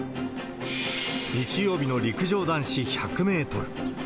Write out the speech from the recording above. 日曜日の陸上男子１００メートル。